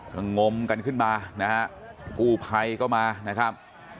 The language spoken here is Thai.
ก็งมกันขึ้นมานะฮะกู้ภัยก็มานะครับ